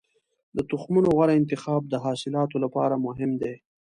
د تخمونو غوره انتخاب د حاصلاتو لپاره مهم دی.